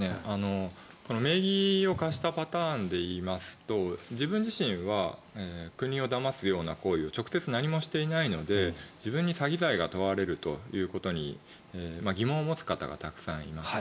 名義を貸したパターンで言いますと自分自身は国をだますような行為を直接何もしていないので自分に詐欺罪が問われるということに疑問を持つ方がたくさんいます。